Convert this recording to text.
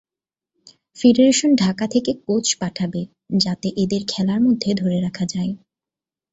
Federation Dhaka থেকে coach পাঠাবে, যাতে এদের খেলার মধ্যে ধরে রাখা যায়।